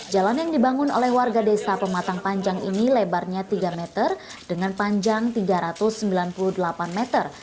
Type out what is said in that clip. jalan yang dibangun oleh warga desa pematang panjang ini lebarnya tiga meter dengan panjang tiga ratus sembilan puluh delapan meter